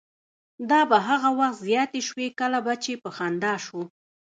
دا به هغه وخت زیاتې شوې کله به چې په خندا شو.